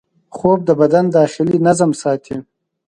خوب د بدن داخلي نظم ساتي